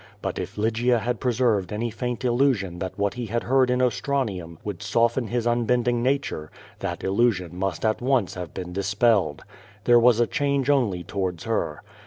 lUit if Lygia had preserved any faint illusion that what he had heard in Ostranium would soften his unbend ing nature, that illusion must at once have been dispelled. There was a change only towards her.